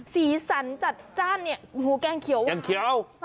สีสันจัดจ้านเนี่ยหูแกงเขียวแกงเขียว